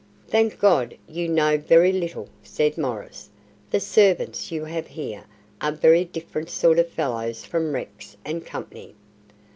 "Thank God, you know very little," said Maurice. "The servants you have here are very different sort of fellows from Rex and Company."